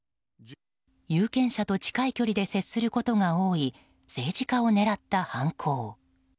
有権者と近い距離で接することが多い政治家を狙った犯行。